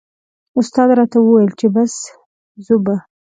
استاد راته و ویل چې بس ځو به.